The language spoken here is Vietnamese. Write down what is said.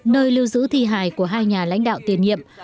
nơi lưu giữ thi hài của hai nhà lãnh đạo tiền nhiệm